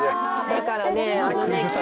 だからね